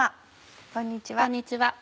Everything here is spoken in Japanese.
こんにちは。